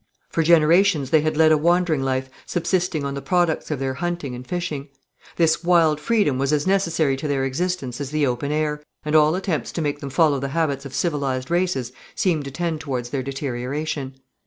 For generations they had led a wandering life, subsisting on the products of their hunting and fishing. This wild freedom was as necessary to their existence as the open air, and all attempts to make them follow the habits of civilized races seemed to tend towards their deterioration.